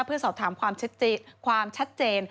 เพื่อสอบถามความชัดเจน